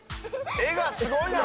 絵がすごいな！